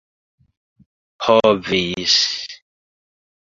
povis